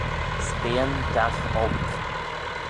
S'beayn dagh olk